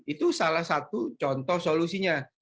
itu salah satu contoh solusinya